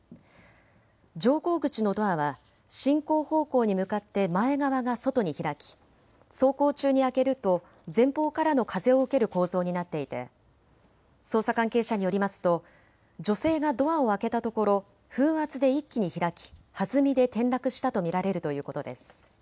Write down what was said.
乗降口のドアは進行方向に向かって前側が外に開き走行中に開けると前方からの風を受ける構造になっていて捜査関係者によりますと女性がドアを開けたところ風圧で一気に開き、はずみで転落したと見られるということです。